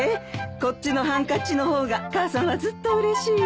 こっちのハンカチの方が母さんはずっとうれしいよ。